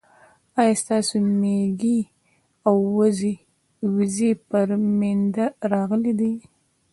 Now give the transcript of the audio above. ايا ستاسي ميږي او وزې پر مينده راغلې دي